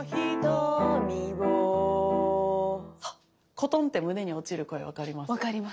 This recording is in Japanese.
コトンって胸に落ちる声分かります？